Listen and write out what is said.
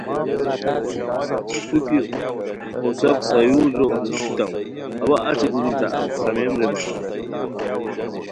تو کی اوساک سایورجو دوسیتاؤ اوا اچی گیتی تہ اف خامئیم رے بغائے